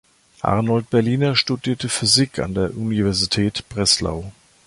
Arnold Berliner studierte Physik an der Universität Breslau.